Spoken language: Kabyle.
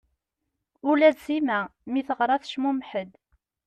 Ula d Sima mi i teɣra tecmumeḥ-d.